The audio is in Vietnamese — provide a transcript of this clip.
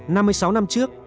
năm mươi sáu năm trước